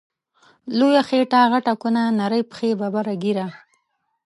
لویه خیټه غټه کونه، نرۍ پښی ببره ږیره